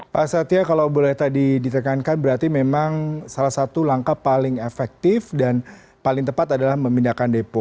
pak satya kalau boleh tadi ditekankan berarti memang salah satu langkah paling efektif dan paling tepat adalah memindahkan depo